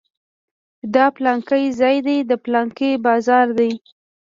چې دا پلانکى ځاى دى دا پلانکى بازار دى.